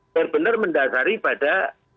benar benar mendasari pada